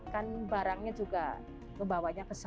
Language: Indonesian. kan barangnya juga membawanya ke sini